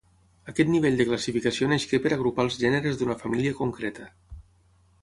Aquest nivell de classificació nasqué per agrupar els gèneres d'una família concreta.